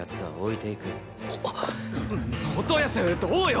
元康どうよ？